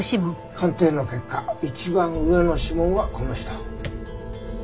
鑑定の結果一番上の指紋はこの人。